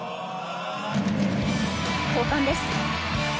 交換です。